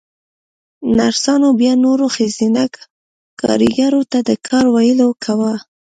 نرسانو بيا نورو ښځينه کاريګرو ته د کار ويل کاوه.